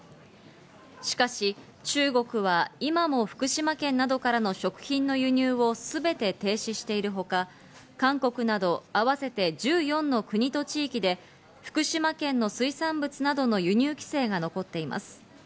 しかし中国は今も福島県などからの食品の輸入を全て停止しているほか、韓国など合わせて１４の国と地域で福島県の水産物などへの輸入規制が残っています。